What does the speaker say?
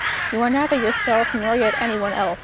You are neither yourself, nor yet any one else.